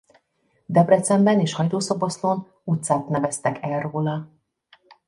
Debrecenben és Hajdúszoboszlón utcát neveztek el róla.